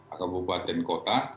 atau bupaten kota